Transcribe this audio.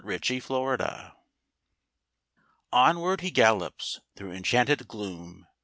KNIGHT ERRANT Onward he gallops through enchanted gloom.